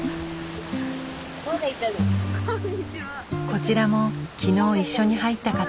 こちらも昨日一緒に入った方。